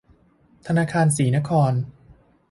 ธนาคารศรีนคร